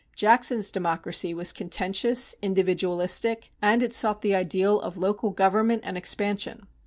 Jackson's democracy was contentious, individualistic, and it sought the ideal of local self government and expansion.